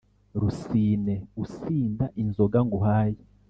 rusine, usinda inzoga nguhaye